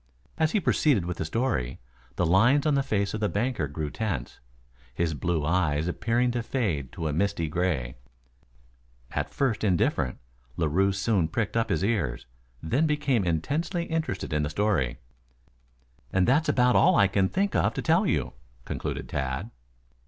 As he proceeded with the story, the lines on the face of the banker grew tense, his blue eyes appearing to fade to a misty gray. At first indifferent, Larue soon pricked up his ears, then became intensely interested in the story. "And that's about all I can think of to tell you," concluded Tad.